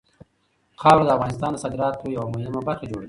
خاوره د افغانستان د صادراتو یوه مهمه برخه جوړوي.